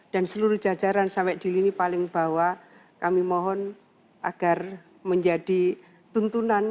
dan seluruh jajaran sampai di lini paling bawah kami mohon agar menjadi tuntunan